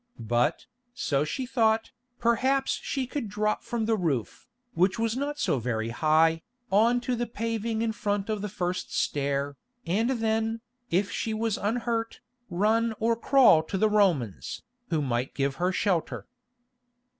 But, so she thought, perhaps she could drop from the roof, which was not so very high, on to the paving in front of the first stair, and then, if she was unhurt, run or crawl to the Romans, who might give her shelter.